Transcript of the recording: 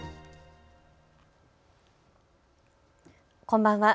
こんばんは。